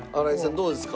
どうですか？